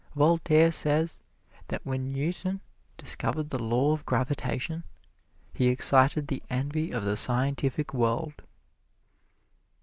Voltaire says that when Newton discovered the Law of Gravitation he excited the envy of the scientific world.